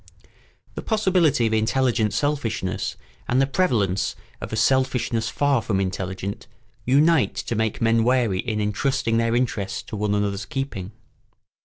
] The possibility of intelligent selfishness and the prevalence of a selfishness far from intelligent unite to make men wary in intrusting their interests to one another's keeping.